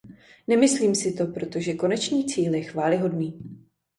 Nemyslím si to, protože konečný cíl je chvályhodný.